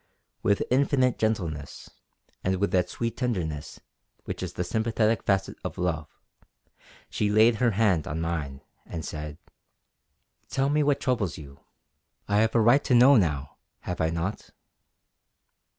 With infinite gentleness, and with that sweet tenderness which is the sympathetic facet of love, she laid her hand on mine and said: "Tell me what troubles you. I have a right to know now, have I not?"